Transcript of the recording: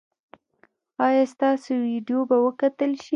ایا ستاسو ویډیو به وکتل شي؟